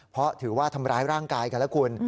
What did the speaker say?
เพราะถือว่าทำร้ายร่างกายกันแล้วคุณ